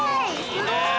すごい。